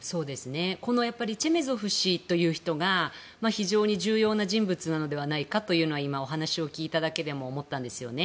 チェメゾフ氏という人が非常に重要な人物なのではないかというのは今、お話を聞いただけでも思ったんですよね。